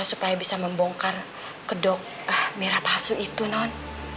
supaya bisa membongkar kedok mira palsu itu non